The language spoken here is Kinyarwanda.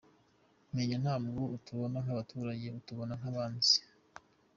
menya ntabwo atubona nk’abaturage atubona nk’abanzi .